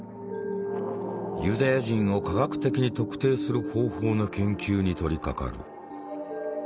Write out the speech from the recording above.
ユダヤ人を科学的に特定する方法の研究に取りかかる。